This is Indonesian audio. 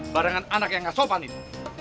barangan anak yang gak sopan itu